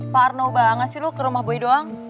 parno banget sih lo ke rumah boy doang